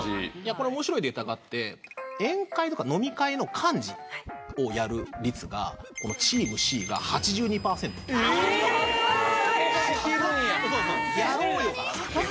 これ面白いデータがあって宴会とか飲み会の幹事をやる率がこのチームＣが８２％分かるわー